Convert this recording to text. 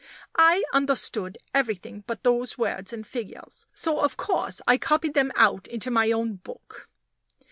I understood everything but those words and figures, so of course I copied them out into my own book.